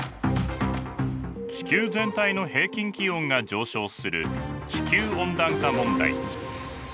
地球全体の平均気温が上昇する地球温暖化問題。